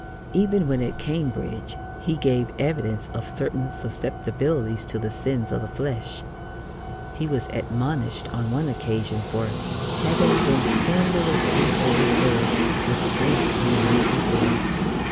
Even when at Cambridge he gave evidence of certain susceptibilities to the sins of the flesh. He was "admonished" on one occasion for "having been scandalously overserved with drink ye night before."